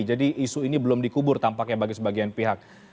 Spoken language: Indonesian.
jadi isu ini belum dikubur tampaknya bagi sebagian pihak